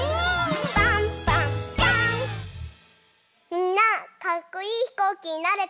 みんなかっこいいひこうきになれた？